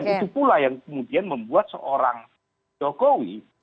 dan itu pula yang kemudian membuat seorang jokowi